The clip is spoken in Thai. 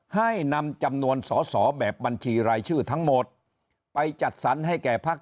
ให้นำจำนวนสอสอแบบบัญชีรายชื่อทั้งหมดไปจัดสรรให้แก่พัก